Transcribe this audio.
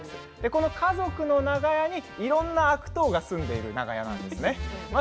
この家族の長屋にいろんな悪党が住んでいる長屋なんですね。